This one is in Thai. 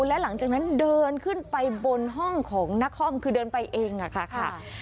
และหลังจากนั้นเดินขึ้นไปบนห้องของนครคือเดินไปเองค่ะ